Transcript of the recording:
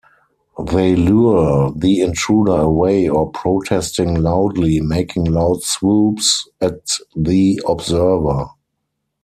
They lure the intruder away or protesting loudly, making loud swoops at the observer.